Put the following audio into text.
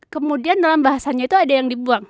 kemudian dalam bahasanya itu ada yang dibuang